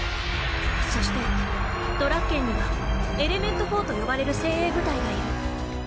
そしてドラッケンにはエレメント４と呼ばれる精鋭部隊がいる。